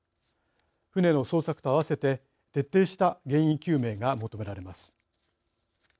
船の捜索と併せて徹底した原因究明が求められます。